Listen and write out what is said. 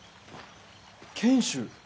賢秀！